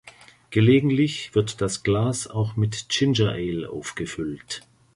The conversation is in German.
Gelegentlich wird das Glas auch mit Ginger Ale aufgefüllt.